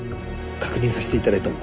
確認させて頂いても？